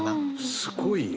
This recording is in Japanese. すごいよ。